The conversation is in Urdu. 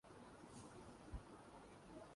ریفرنڈم کروا لیں۔